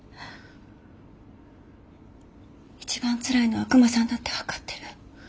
一番つらいのはクマさんだって分かってる。